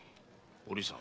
お凛さん